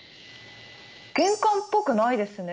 玄関っぽくないですね